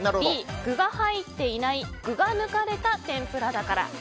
Ｂ、具が入っていない具が抜かれた天ぷらだから。